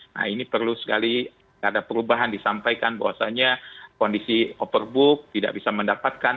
nah ini perlu sekali ada perubahan disampaikan bahwasannya kondisi overbook tidak bisa mendapatkan